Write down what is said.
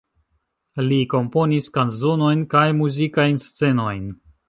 Li komponis kanzonojn kaj muzikajn scenojn.